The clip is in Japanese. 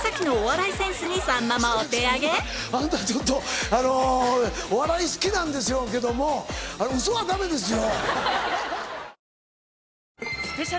あなたちょっとお笑い好きなんでしょうけどもウソはダメですよ。